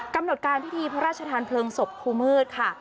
กำหนดการพิธีพระราชทานเพลิงศพครูมืดค่ะ